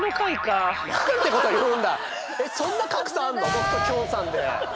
僕ときょんさんで。